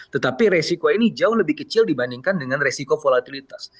tetapi resiko ini jauh lebih kecil dibandingkan dengan resiko volatilitas